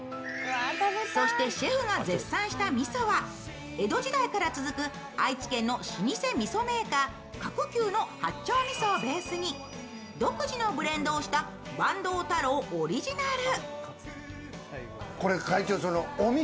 そしてシェフが絶賛したみそは江戸時代から続く、愛知県の老舗みそメーカーカクキューの八丁みそをベースに独自のブレンドをした、ばんどう太郎オリジナル。